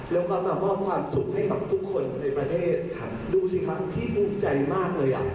แล้วก็มามอบความสุขให้กับทุกคนในประเทศดูสิครับพี่ภูมิใจมากเลยอ่ะ